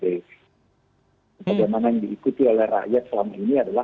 pada mana yang diikuti oleh rakyat selama ini adalah